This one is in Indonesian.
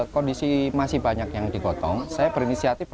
kondisi masih banyak yang digotong saya berinisiatif